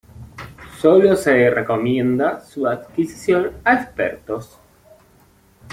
Sólo se recomienda su adquisición a expertos.